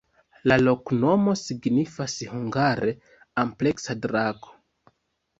La loknomo signifas hungare: ampleksa-drako.